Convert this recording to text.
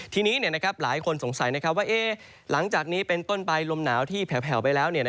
ทีนี้หลายคนสงสัยว่าหลังจากนี้เป็นต้นไปลมหนาวที่แผลวไปแล้ว